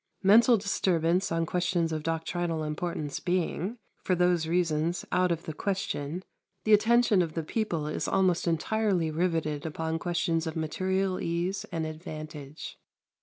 Mental disturbance on questions of doctrinal importance being, for these reasons, out of the question, the attention of the people is almost entirely riveted upon questions of material ease and advantage.